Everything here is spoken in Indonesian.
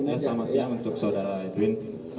selamat siang untuk saudara edwin